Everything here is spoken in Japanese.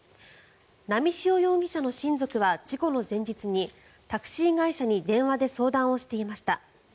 波汐容疑者の親族は事故の前日にタクシー会社に電話で相談をしていました。